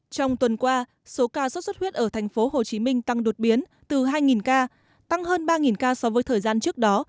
trong tuần qua số ca sốt xuất huyết ở tp hcm tăng đột biến từ hai ca tăng hơn ba ca so với thời gian trước đó